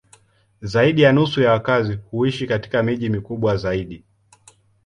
Zaidi ya nusu ya wakazi huishi katika miji mikubwa zaidi.